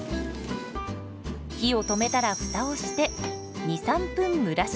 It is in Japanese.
火を止めたらフタをして２３分蒸らします。